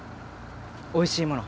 おいしいもの